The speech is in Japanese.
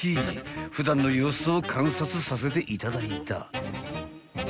［普段の様子を観察させていただいた］